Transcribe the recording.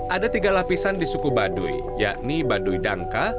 ada tiga lapisan di suku baduy yakni baduy dangka